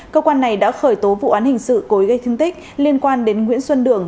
cơ quan này đã khởi tố vụ án hình sự cố ý gây thương tích liên quan đến nguyễn xuân đường